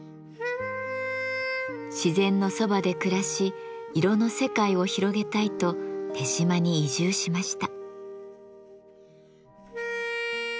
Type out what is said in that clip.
自然のそばで暮らし色の世界を広げたいと豊島に移住しました。